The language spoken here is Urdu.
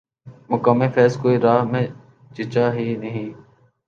مقام فیضؔ کوئی راہ میں جچا ہی نہیں